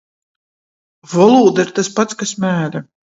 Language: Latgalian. Volūda ir tys pats, kas mēle.